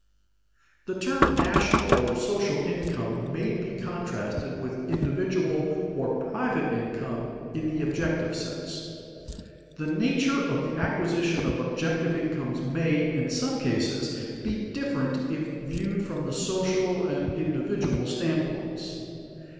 _ The term national or social income may be contrasted with individual or private income in the objective sense. The nature of the acquisition of objective incomes may, in some cases, be different if viewed from the social and individual standpoints.